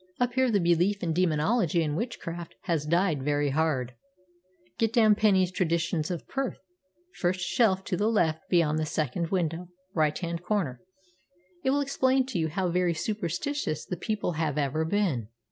Up here the belief in demonology and witchcraft has died very hard. Get down Penny's Traditions of Perth first shelf to the left beyond the second window, right hand corner. It will explain to you how very superstitious the people have ever been."